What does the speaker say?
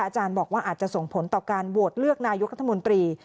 อาจารย์บอกว่าอาจจะส่งผลต่อการโหวตเลือกนายกรัฐมนตรี